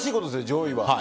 上位は。